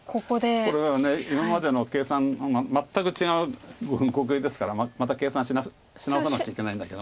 これが今までの計算全く違う碁形ですからまた計算し直さなくちゃいけないんだけども。